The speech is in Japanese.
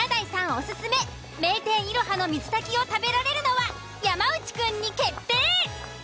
オススメ名店「いろは」の水炊きを食べられるのは山内くんに決定！